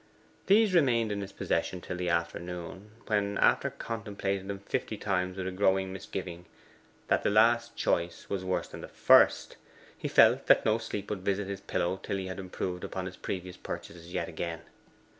These remained in his possession till the afternoon, when, after contemplating them fifty times with a growing misgiving that the last choice was worse than the first, he felt that no sleep would visit his pillow till he had improved upon his previous purchases yet again.